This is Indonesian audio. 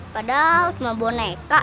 padahal cuma boneka